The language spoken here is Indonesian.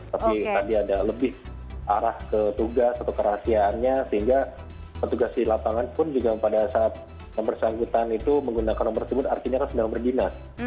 tapi tadi ada lebih arah ke tugas atau kerahasiaannya sehingga petugas di lapangan pun juga pada saat yang bersangkutan itu menggunakan nomor tersebut artinya kan sedang berdinas